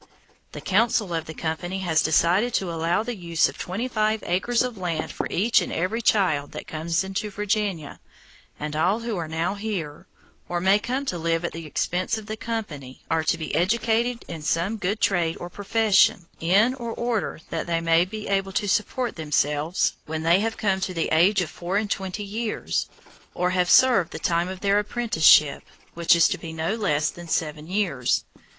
The Council of the Company has decided to allow the use of twenty five acres of land for each and every child that comes into Virginia, and all who are now here, or may come to live at the expense of the Company, are to be educated in some good trade or profession, in order that they may be able to support themselves when they have come to the age of four and twenty years, or have served the time of their apprenticeship, which is to be no less than seven years.